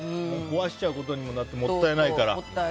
壊しちゃうことにもなってもったいないから。